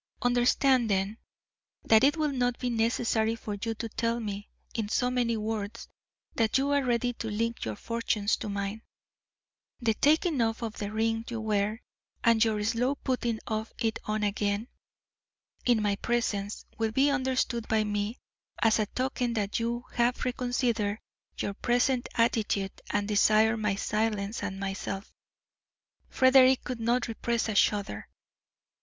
Understand, then, that it will not be necessary for you to tell me, in so many words, that you are ready to link your fortunes to mine; the taking off of the ring you wear and your slow putting of it on again, in my presence, will be understood by me as a token that you have reconsidered your present attitude and desire my silence and myself." Frederick could not repress a shudder.